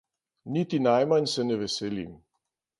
Niti najmanj se ne veselim.